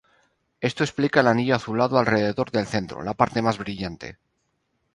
Esto explica el anillo azulado alrededor del centro, la parte más brillante.